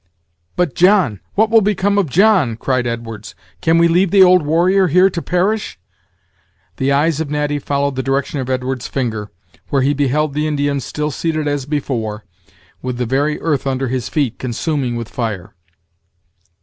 "But John! what will become of John?" cried Edwards; "can we leave the old warrior here to perish?" The eyes of Natty followed the direction of Edwards' finger, where he beheld the Indian still seated as before, with the very earth under his feet consuming with fire.